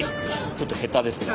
ちょっと下手ですが。